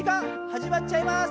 はじまっちゃいます。